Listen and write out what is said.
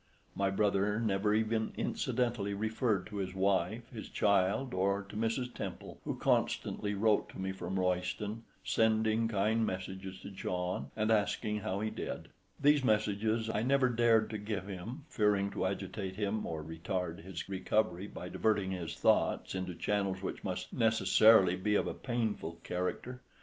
My brother never even incidentally referred to his wife, his child, or to Mrs. Temple, who constantly wrote to me from Royston, sending kind messages to John, and asking how he did. These messages I never dared to give him, fearing to agitate him, or retard his recovery by diverting his thoughts into channels which must necessarily be of a painful character.